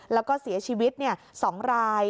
แล้วก็เสียชีวิต๒ราย